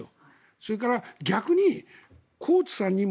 それから、逆にコーツさんにも